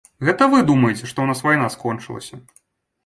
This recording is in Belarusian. Гэта вы думаеце, што ў нас вайна скончылася.